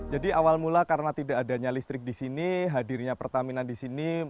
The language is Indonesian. jadi awal mula karena tidak adanya listrik di sini hadirnya pertaminan di sini